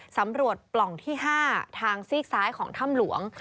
ปล่องที่๕ทางซีกซ้ายของถ้ำหลวง